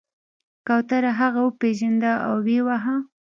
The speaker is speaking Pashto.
کوترو هغه وپیژند او ویې واهه.